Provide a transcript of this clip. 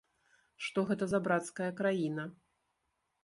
Што гэта за брацкая краіна?